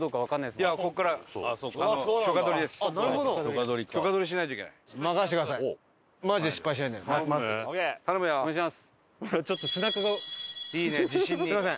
すみません。